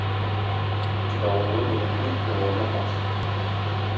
Давыллы болытның явымы аз.